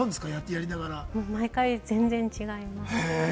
やり毎回全然違います。